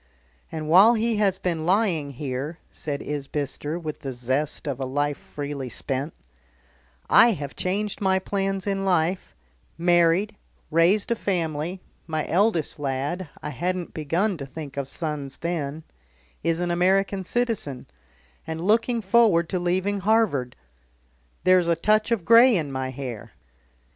"And while he has been lying here," said Isbister, with the zest of a life freely spent, "I have changed my plans in life; married, raised a family, my eldest lad I hadn't begun to think of sons then is an American citizen, and looking forward to leaving Harvard. There's a touch of grey in my hair.